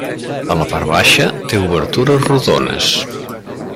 A la part baixa té obertures rodones.